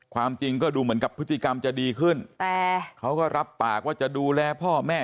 ความจริงก็ดูเหมือนกับพฤติกรรมจะดีขึ้นแต่เขาก็รับปากว่าจะดูแลพ่อแม่